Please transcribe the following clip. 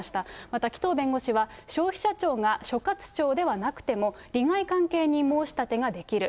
また、紀藤弁護士は、消費者庁が所轄庁じゃなくても、利害関係人申し立てができる。